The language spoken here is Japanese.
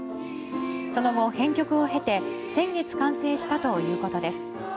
その後、編曲を経て先月完成したということです。